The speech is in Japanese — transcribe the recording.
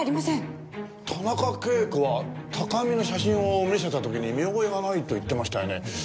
田中啓子は高見の写真を見せた時に見覚えがないと言ってましたよね。